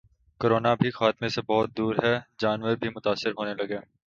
’corona ابھی خاتمے سے بہت دور ہے‘ جانور بھی متاثر ہونے لگے